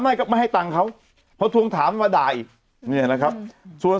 ให้ก็ไม่ให้ตังค์เขาพอถวงถามว่าใดเนี่ยนะครับส่วน